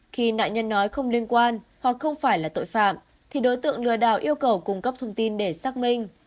khi nạn nhân nói không liên quan hoặc không phải là tội phạm thì đối tượng lừa đảo yêu cầu cung cấp thông tin để xác minh